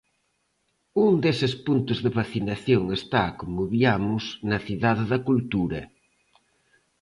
Un deses puntos de vacinación está, como viamos, na Cidade da Cultura.